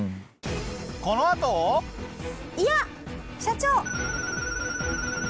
このあと。いや社長。